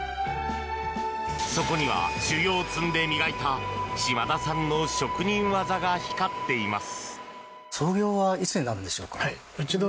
そこには、修業を積んで磨いた島田さんの職人技が光っています。